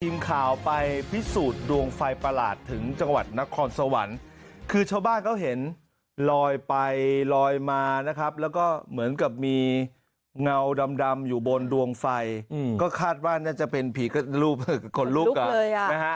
ทีมข่าวไปพิสูจน์ดวงไฟประหลาดถึงจังหวัดนครสวรรค์คือชาวบ้านเขาเห็นลอยไปลอยมานะครับแล้วก็เหมือนกับมีเงาดำอยู่บนดวงไฟก็คาดว่าน่าจะเป็นผีรูปคนรูปอ่ะนะฮะ